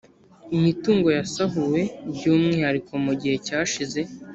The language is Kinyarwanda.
imitungo yasahuwe by umwihariko mu gihe cyashize